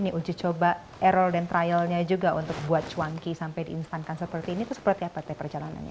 ini uji coba error dan trialnya juga untuk buat cuanki sampai di instankan seperti ini itu seperti apa teh perjalanannya